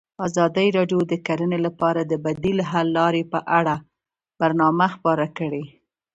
ازادي راډیو د کرهنه لپاره د بدیل حل لارې په اړه برنامه خپاره کړې.